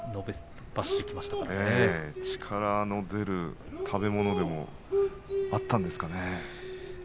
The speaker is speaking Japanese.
力の出る食べ物でもあったんですかね？